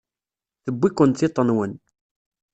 Tewwi-ken tiṭ-nwen.